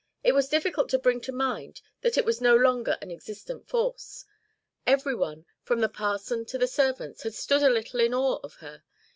It was difficult to bring to mind that it was no longer an existent force. Every one, from the parson to the servants, had stood a little in awe of her.